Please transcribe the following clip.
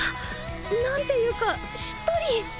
何ていうかしっとり！